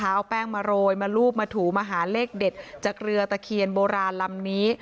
เอาแป้งมาโรยมารูปมาถูมาหาเลขเด็ดจากเรือตะเคียนโบราณลำนี้